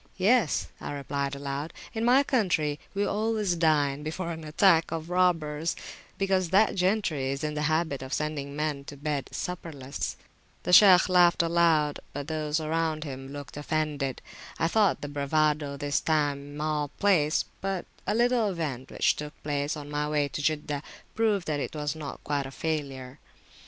Yes, I replied aloud, in my country we always dine before an attack of robbers, because that gentry is in the habit of sending men to bed supperless. The Shaykh laughed aloud, but those around him looked offended. I thought the bravado this time mal place; but a little event which took place on my way to Jeddah proved that it was not quite a failure.